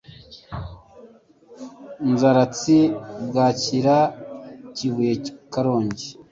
Nzaratsi Bwakira Kibuye Karongi